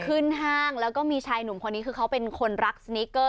ห้างแล้วก็มีชายหนุ่มคนนี้คือเขาเป็นคนรักสนิกเกอร์